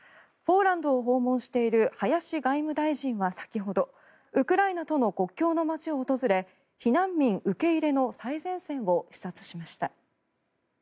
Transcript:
ポーランドを訪問している林外務大臣は先ほどウクライナとの国境の街を訪れ避難民受け入れの最前線を視察しました。